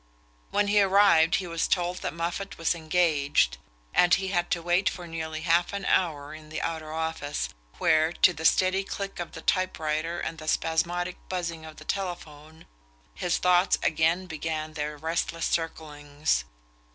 When he arrived he was told that Moffatt was "engaged," and he had to wait for nearly half an hour in the outer office, where, to the steady click of the type writer and the spasmodic buzzing of the telephone, his thoughts again began their restless circlings.